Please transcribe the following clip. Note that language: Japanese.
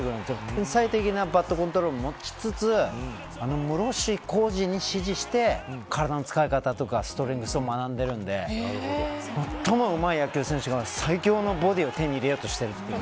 天才的なバットコントロールを持ちつつ室伏広治に師事して体の使い方やストレングスは学んでいるんで最もうまい野球選手が最強のボディを手に入れようとしている。